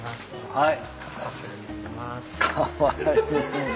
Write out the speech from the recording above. はい。